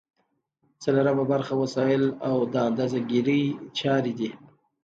څلورمه برخه وسایل او د اندازه ګیری چارې دي.